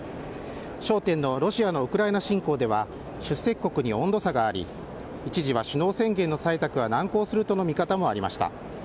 焦点のロシアのウクライナ侵攻では出席国に温度差があり一時は首脳宣言の採択が難航するとの見方もありました。